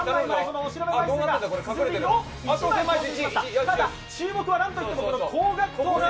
ただ注目は何といっても高額当選。